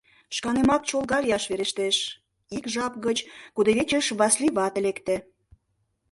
— Шканемак чолга лияш верештеш, — ик жап гыч кудывечыш Васлий вате лекте.